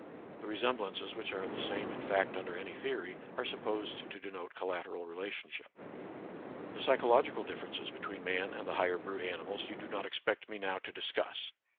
The resemblances, which are the same in fact under any theory, are supposed to denote collat eral relationship. The psychological differences between man and the higher brute animals you do not expect me now to discuss.